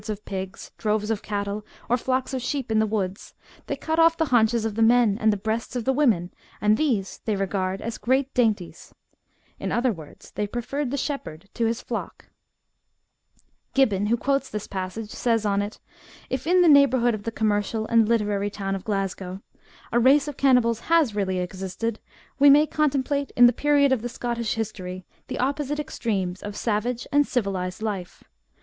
236. FOLK LORE RELATING TO WERE WOLVES. 106 of pigs, droyes of cattle, or flocks of sheep in the woods, they cut off the haunches of the men and the hreasts of the women, and these they regard as great dainties ;" in other words they prefer the shepherd to his flock. Gihhon who quotes this passage says on.it :" If in the neighbourhood of the commercial and literary town of Glasgow, a race of cannibals has really existed, we may contemplate, in the period of the Scottish history, the opposite extremes of savage and ciyilized life.